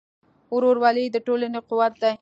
ورورولي د ټولنې قوت دی.